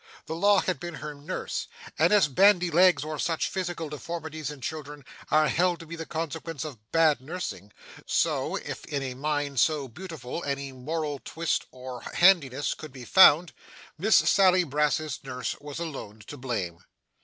The law had been her nurse. And, as bandy legs or such physical deformities in children are held to be the consequence of bad nursing, so, if in a mind so beautiful any moral twist or handiness could be found, Miss Sally Brass's nurse was alone to blame.